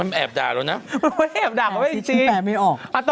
มันแอบด่าแล้วนะ